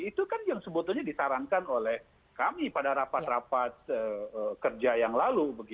itu kan yang sebetulnya disarankan oleh kami pada rapat rapat kerja yang lalu